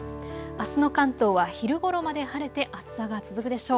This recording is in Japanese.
あすの関東は昼ごろまで晴れて暑さが続くでしょう。